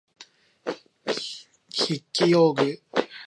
筆記用具